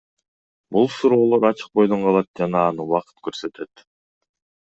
Бул суроолор ачык бойдон калат жана аны убакыт көрсөтөт.